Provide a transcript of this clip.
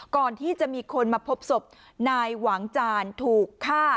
ก่อนที่จะมีคนมาพบศพนายหวังจานถูกฆ่า